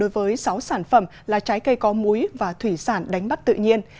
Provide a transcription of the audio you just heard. với sáu sản phẩm là trái cây có múi và thủy sản đánh bắt tự nhiên